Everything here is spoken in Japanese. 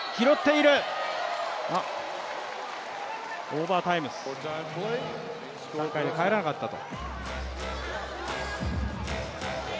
オーバータイムス、３回で返らなかったと。